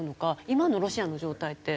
今のロシアの状態って？